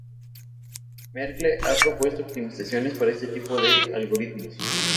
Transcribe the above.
Merkle ha propuesto optimizaciones para este tipo de algoritmos.